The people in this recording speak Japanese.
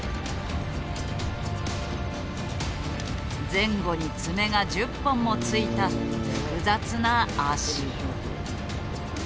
前後に爪が１０本もついた複雑な足。